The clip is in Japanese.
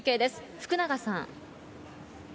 福永さん。